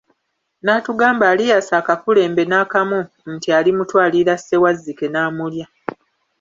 N'atugamba aliyasa akakulembe n'akamu nti alimutwalira Ssewazzike n'amulya.